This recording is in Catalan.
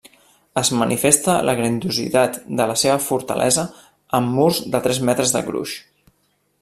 Es manifesta la grandiositat de la seva fortalesa amb murs de tres metres de gruix.